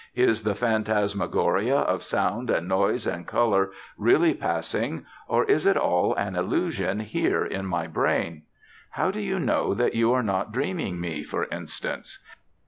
Is the phantasmagoria of sound and noise and color really passing or is it all an illusion here in my brain? How do you know that you are not dreaming me, for instance?